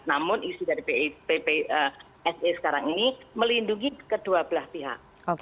namun isi dari ppsa sekarang ini melindungi kedua belah pihak